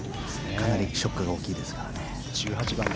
かなりショック大きいですから。